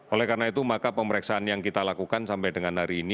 oleh karena itu maka pemeriksaan yang kita lakukan sampai dengan hari ini